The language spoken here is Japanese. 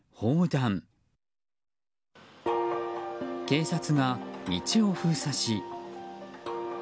警察が道を封鎖し。